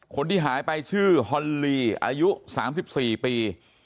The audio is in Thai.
คนที่หายไปชื่อฮอนลีอายุ๓๔ปี